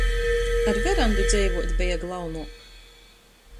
Ar verandu dzeivuot beja glaunuok.